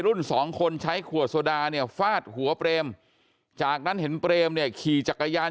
สองคนใช้ขวดโซดาเนี่ยฟาดหัวเปรมจากนั้นเห็นเปรมเนี่ยขี่จักรยาน